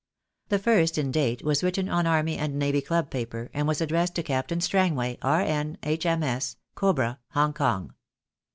The first in date was written on Army and Navy Club paper, and was addressed to Captain Strangway, R.N., H.M.S. Cobra, Hong Kong.